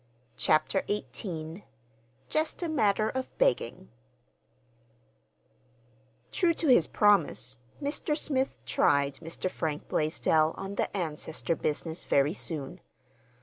CHAPTER XVIII JUST A MATTER OF BEGGING True to his promise, Mr. Smith "tried" Mr. Frank Blaisdell on "the ancestor business" very soon.